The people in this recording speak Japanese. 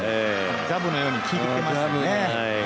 ジャブのように効いてきてますよね。